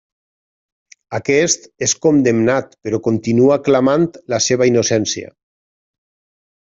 Aquest és condemnat però continua clamant la seva innocència.